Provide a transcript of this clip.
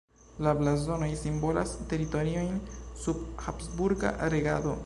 La blazonoj simbolas teritoriojn sub habsburga regado.